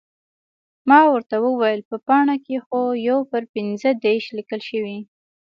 ما ورته وویل، په پاڼه کې خو یو پر پنځه دېرش لیکل شوي.